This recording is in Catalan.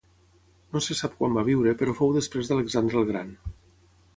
No se sap quan va viure però fou després d'Alexandre el Gran.